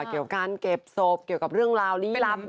เกี่ยวกับการเก็บศพเกี่ยวกับเรื่องราวลี้ล้ำ